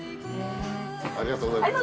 ありがとうございます。